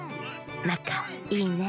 なかいいね。